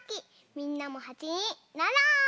みんなもはちになろう！